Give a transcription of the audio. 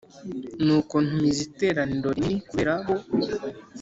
Nuko ntumiza iteraniro rinini kubera bo